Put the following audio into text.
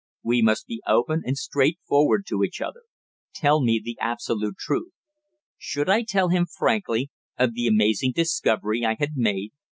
We must be open and straightforward to each other. Tell me the absolute truth." Should I tell him frankly of the amazing discovery I had made?